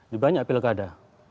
di banyak pilkada